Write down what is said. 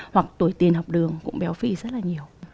hoặc tuổi tiền học đường cũng béo phì rất là nhiều